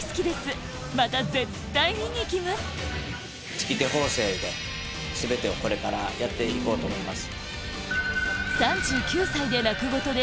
月亭方正で全てをこれからやっていこうと思います。